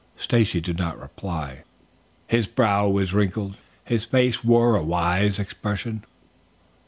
Stacy did not reply. His brow was wrinkled; his face wore a wise expression.